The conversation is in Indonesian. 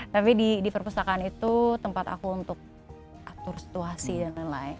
tapi di perpustakaan itu tempat aku untuk atur situasi dan lain lain